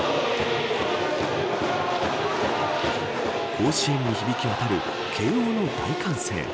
甲子園に響き渡る慶応の大歓声。